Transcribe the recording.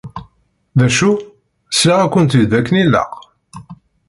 D acu? Sliɣ-akent-id akken ilaq?